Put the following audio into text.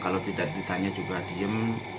kalau tidak ditanya juga diem